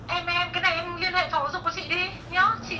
em em cái này em liên hệ phòng hóa dục của chị đi nhé